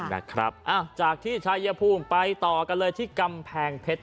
นะครับอ้าวจากที่ชายภูมิไปต่อกันเลยที่กำแพงเพชร